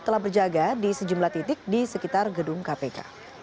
telah berjaga di sejumlah titik di sekitar gedung kpk